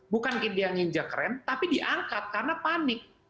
bukan dia nginjak rem tapi diangkat karena panik